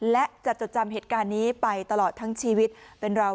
และจะจดจำเหตุการณ์นี้ไปตลอดทั้งชีวิต